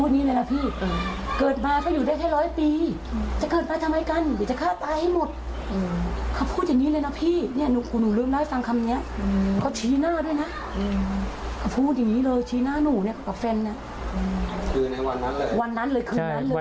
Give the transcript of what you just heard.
นี่คือคำพูดเลย